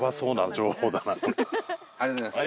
ありがとうございます。